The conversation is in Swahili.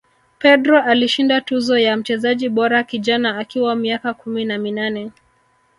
pedro alishinda tuzo ya mchezaji bora kijana akiwa miaka kumi na minane